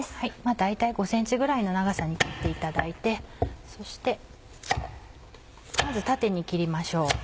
大体５ｃｍぐらいの長さに切っていただいてそしてまず縦に切りましょう。